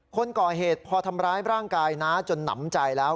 คนก่อเหตุพอทำร้ายร่างกายน้าจนหนำใจแล้ว